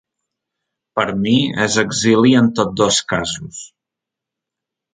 Per mi és exili en tots dos casos.